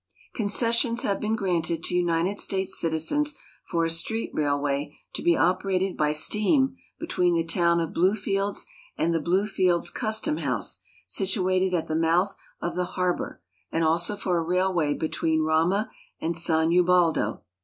Concessions have been granted to United States citizens for a street railway to be operated by steam between the town of Blue fields and the Bluefields custom liouse, situated at tlie moutli of the har bor, and also for a railway between Rama and San I'baldo.